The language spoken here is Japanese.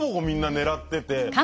みんな狙ってて。